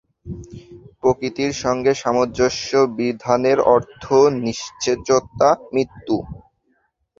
প্রকৃতির সঙ্গে সামঞ্জস্য বিধানের অর্থ নিশ্চেষ্টতা, মৃত্যু।